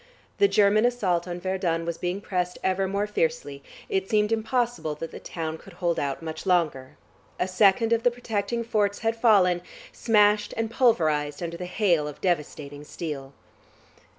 The German assault on Verdun was being pressed ever more fiercely; it seemed impossible that the town could hold out much longer. A second of the protecting forts had fallen, smashed and pulverised under the hail of devastating steel....